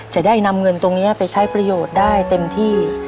จะได้นำเงินตรงนี้ไปใช้ประโยชน์ได้เต็มที่